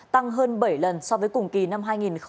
tăng hơn bảy lần so với cùng kỳ năm hai nghìn hai mươi một